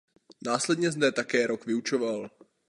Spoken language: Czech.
Následně zde také rok vyučoval.